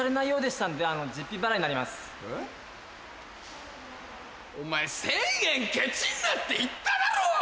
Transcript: えっ？お前１０００円ケチんなって言っただろ！